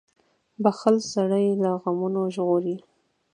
• بښل سړی له غمونو ژغوري.